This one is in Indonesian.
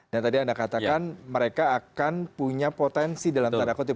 dan tadi anda katakan mereka akan punya potensi dalam terhadap kota